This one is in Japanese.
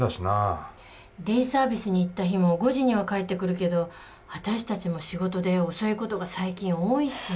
デイサービスに行った日も５時には帰ってくるけど私たちも仕事で遅い事が最近多いし。